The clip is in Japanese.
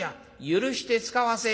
許してつかわせ」。